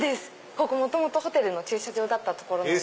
ここ元々ホテルの駐車場だった所なんです。